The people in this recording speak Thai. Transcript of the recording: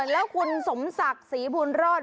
แล้วคุณสมศักดิ์ศรีบุญรอด